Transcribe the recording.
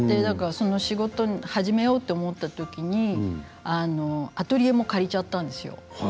仕事を始めようと思った時にアトリエも借りちゃったんですよ。